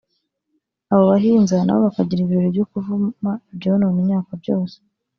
Abo bahinza nabo bakagira ibirori byo kuvuma ibyonona imyaka byose